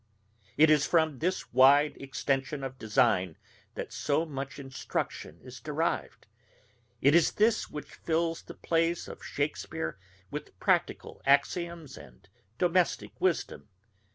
It is from this wide extension of design that so much instruction is derived. It is this which fills the plays of Shakespeare with practical axioms and domestic wisdom.